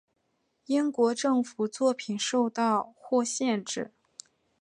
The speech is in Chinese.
英国政府作品受到或限制。